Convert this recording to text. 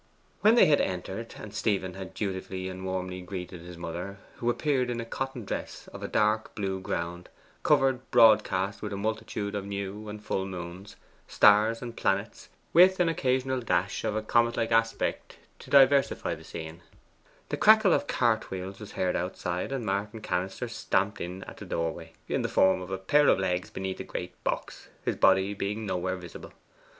When they had entered, and Stephen had dutifully and warmly greeted his mother who appeared in a cotton dress of a dark blue ground, covered broadcast with a multitude of new and full moons, stars, and planets, with an occasional dash of a comet like aspect to diversify the scene the crackle of cart wheels was heard outside, and Martin Cannister stamped in at the doorway, in the form of a pair of legs beneath a great box, his body being nowhere visible.